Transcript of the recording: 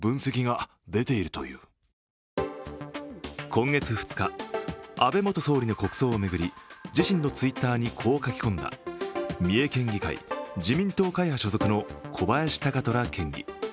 今月２日、安倍元総理の国葬を巡り、自身のＴｗｉｔｔｅｒにこう書き込んだ三重県議会・自民党会派所属の小林貴虎県議。